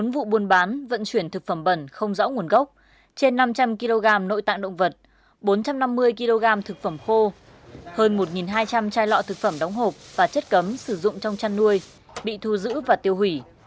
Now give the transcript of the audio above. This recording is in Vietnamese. một mươi vụ buôn bán vận chuyển thực phẩm bẩn không rõ nguồn gốc trên năm trăm linh kg nội tạng động vật bốn trăm năm mươi kg thực phẩm khô hơn một hai trăm linh chai lọ thực phẩm đóng hộp và chất cấm sử dụng trong chăn nuôi bị thu giữ và tiêu hủy